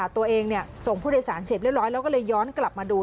ตัวเองส่งผู้โดยสารเสร็จเรียบร้อยแล้วก็เลยย้อนกลับมาดู